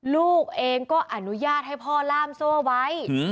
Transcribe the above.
ลูกเองก็อนุญาตให้พ่อล่ามโซ่ไว้